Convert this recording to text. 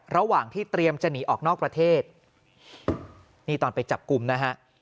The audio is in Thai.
ระหว่างที่เตรียมจะหนีออกนอกประเทศนี่ตอนไปจับกลุ่มนะฮะ